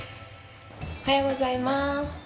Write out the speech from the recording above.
おはようございます。